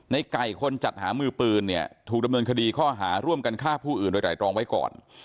ในไก่คนจัดหามือปืนเนี่ยถูกดำเนินคดีข้อหาร่วมกันฆ่าผู้อื่นโดยไตรรองไว้ก่อน